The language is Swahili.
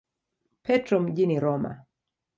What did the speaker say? Petro mjini Roma.